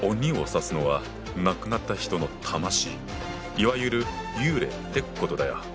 いわゆる幽霊ってことだ。